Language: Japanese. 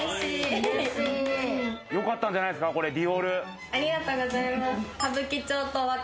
よかったんじゃないですか、ディオール。